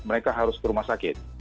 mereka harus ke rumah sakit